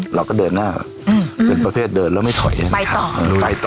เราก็เดินน่าถูกเป็นประเภทเดินแล้วไม่ถอย